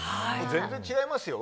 全然違いますよ。